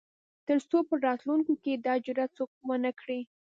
تر څو په راتلونکو کې دا جرات څوک ونه کړي.